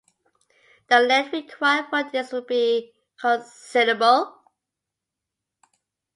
The land required for this would be considerable.